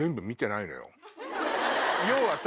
要はさ